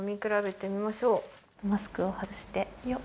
マスクを外して。